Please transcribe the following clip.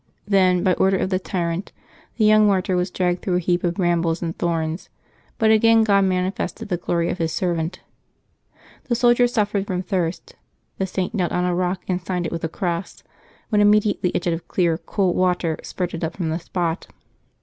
Then, by order of the tjrrant, the young martyr was dragged through a heap of brambles and thorns, but again God manifested the glory of His servant ; the soldiers suifering from thirst, the Saint knelt on a rock and signed it with a cross, when immediately a jet of clear, cool water spurted up from the spot.